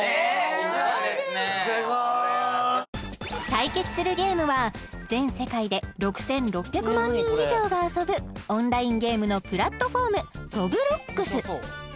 対決するゲームは全世界で６６００万人以上が遊ぶオンラインゲームのプラットフォーム「ＲＯＢＬＯＸ」